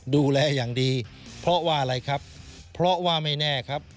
ดูแลอย่างดีเพราะว่าอะไรครับเพราะว่าไม่แน่ครับ